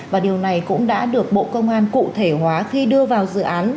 và điều này cũng đã được bộ công an cụ thể hóa khi đưa vào dự án